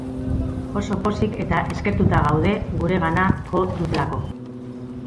Oso pozik eta eskertuta gaude guregana jo dutelako.